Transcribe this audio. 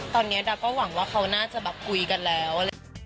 ตอนนี้ดาก็หวังว่าเขาน่าจะแบบคุยกันแล้ว